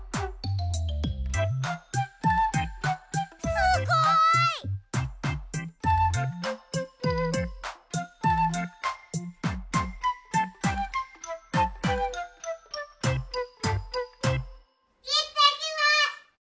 すごい！いってきます！